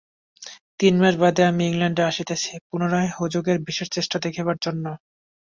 তিনমাস বাদে আমি ইংলণ্ডে আসিতেছি, পুনরায় হজুগের বিশেষ চেষ্টা দেখিবার জন্য।